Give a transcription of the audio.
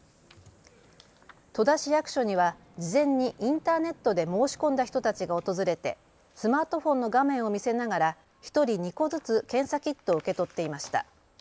戸田市役所には事前にインターネットで申し込んだ人たちが訪れてスマートフォンの画面を見せながら１人２個ずつ検査キットを受け取っていました。